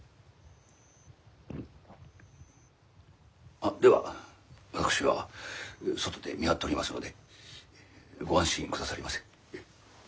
あっでは私は外で見張っておりますのでご安心くださりませ。